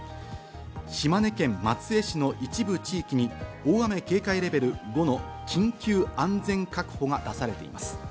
島根県松江市の一部地域に大雨警戒レベル５の緊急安全確保が出されています。